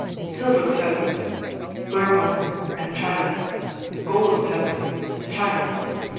Silver Pheasant Burma and China. Golden Pheasant China.